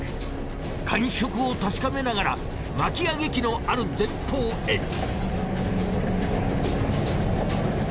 感触を確かめながら巻き上げ機のある前方へ。